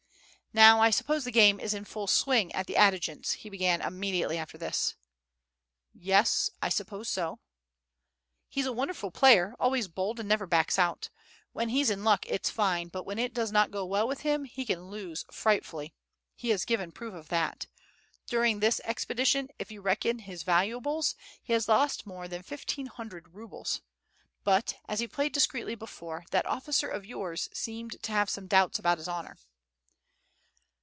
"Now I suppose the game is in full swing at the adjutant's," he began immediately after this. "Yes, I suppose so." "He's a wonderful player, always bold, and never backs out. When he's in luck, it's fine; but when it does not go well with him, he can lose frightfully. He has given proof of that. During this expedition, if you reckon his valuables, he has lost more than fifteen hundred rubles. But, as he played discreetly before, that officer of yours seemed to have some doubts about his honor."